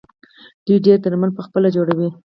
دوی ډیری درمل پخپله جوړوي.